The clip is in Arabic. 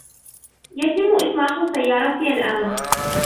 يتم اصلاح سيارتي الآن